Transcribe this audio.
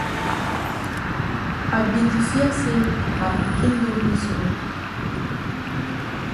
I be di fear say ma pikin don miss road.